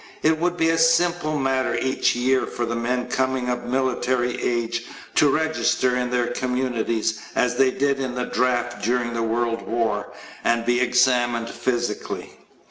It would be a simple matter each year for the men coming of military age to register in their communities as they did in the draft during the World War and be examined physically.